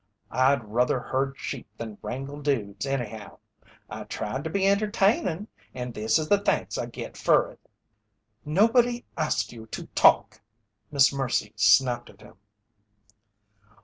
I'd ruther herd sheep than wrangle dudes, anyhow. I tried to be entertainin', and this is the thanks I git fer it." "Nobody asked you to talk," Miss Mercy snapped at him.